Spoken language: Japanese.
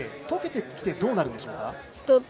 溶けてきてどうなるんでしょうか。